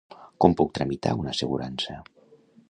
Com puc tramitar una assegurança?